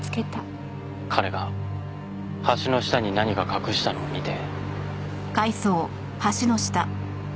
彼が橋の下に何か隠したのを見て。